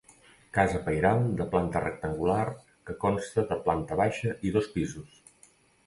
Casa pairal de planta rectangular que consta de planta baixa i dos pisos.